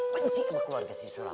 pencik lah keluarga si sulam